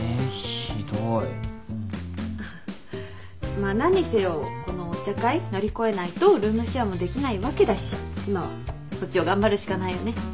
まあ何にせよこのお茶会乗り越えないとルームシェアもできないわけだし今はこっちを頑張るしかないよね。